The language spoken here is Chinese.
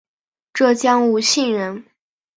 浙江吴兴人。